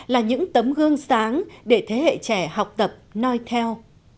là những tấm gương sáng để thế hệ trẻ học tập noi theo